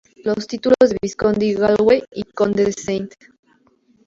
Los títulos de Vizconde Galway y Conde de St.